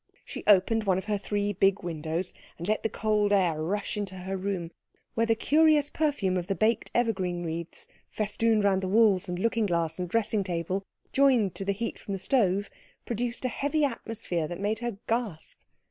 She opened one of her three big windows and let the cold air rush into her room, where the curious perfume of the baked evergreen wreaths festooned round the walls and looking glass and dressing table, joined to the heat from the stove, produced a heavy atmosphere that made her gasp.